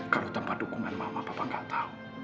kalau tanpa dukungan mama papa gak tahu